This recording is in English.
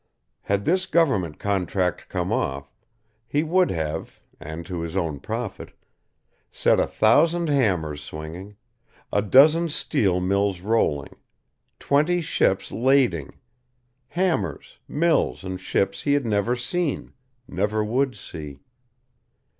Had this Government contract come off, he would have, and to his own profit, set a thousand hammers swinging, a dozen steel mills rolling, twenty ships lading, hammers, mills and ships he had never seen, never would see.